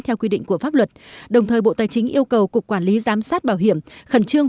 theo quy định của pháp luật đồng thời bộ tài chính yêu cầu cục quản lý giám sát bảo hiểm khẩn trương